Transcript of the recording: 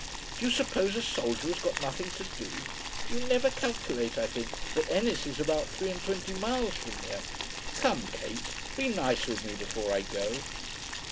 "Do you suppose a soldier has got nothing to do? You never calculate, I think, that Ennis is about three and twenty miles from here. Come, Kate, be nice with me before I go."